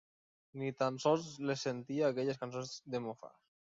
Ni tan sols les sentia aquelles cançons de mofa